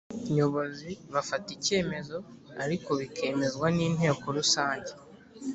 Nyobozi bafata icyemezo ariko bikemezwa n’ Inteko rusange